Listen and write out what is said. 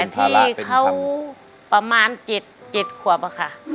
ตั้งแต่ที่เขาประมาณ๗ครับค่ะ